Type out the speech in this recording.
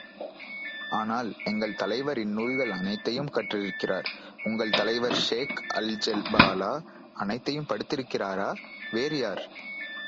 ஆனால், எங்கள் தலைவர் இந்நூல்கள் அனைத்தையும் கற்றிருக்கிறார். உங்கள் தலைவர் ஷேக் அல்ஜெபலா, அனைத்தும் படித்திருக்கிறாரா? வேறு யார்?